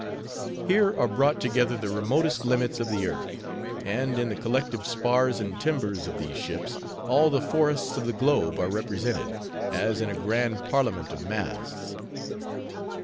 Here are brought together the remotest limits of the earth; and in the collective spars and timbers of these ships, all the forests of the globe are represented, as in a grand parliament of masts.